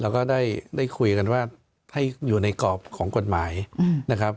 ก็ได้คุยกันว่าให้อยู่ในกรอบของกฎหมายนะครับ